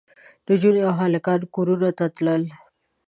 نجونې او هلکان کورونو ته تلل.